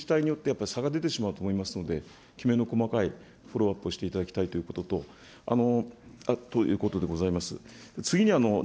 これ、ただやっぱり地方自治体によって差が出てしまうと思いますので、きめの細かいフォローアップをしていただきたいということとでございます。